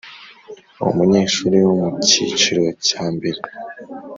umunyeshuri wo mu kiciro cya mbere